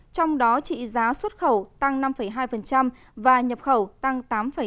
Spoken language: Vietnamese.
trong đó trị giá xuất khẩu tăng năm hai và nhập khẩu tăng tám chín